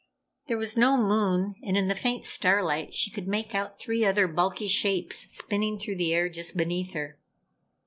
There was no moon, and in the faint starlight she could make out three other, bulky shapes spinning through the air just beneath her.